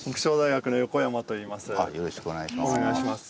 よろしくお願いします。